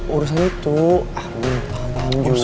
urusan itu ah lu paham paham juga